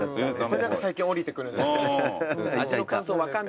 これ何か最近降りてくるんです。